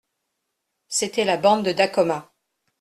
C'était la bande de Dacoma.